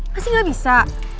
masih gak bisa